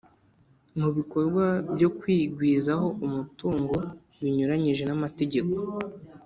mu bikorwa byo kwigwizaho umutungo binyuranyije n'amategeko